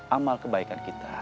amal kebaikan kita